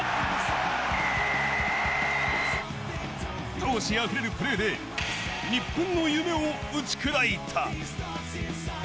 闘志あふれるプレーで、日本の夢を打ち砕いた。